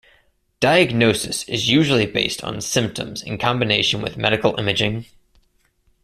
Diagnosis is usually based on symptoms in combination with medical imaging.